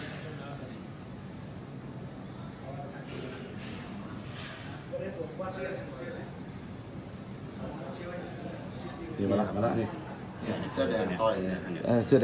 ส่วนสุดท้ายส่วนสุดท้าย